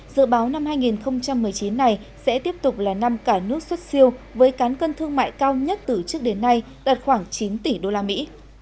dự báo năm hai nghìn một mươi chín này sẽ tiếp tục là năm cả nước xuất siêu với cán cân thương mại cao nhất từ trước đến nay đạt khoảng chín tỷ đô la mỹ